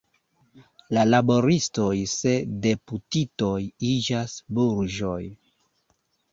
La laboristoj se deputitoj iĝas burĝoj.